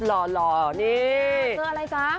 เจออะไรจ๊ะ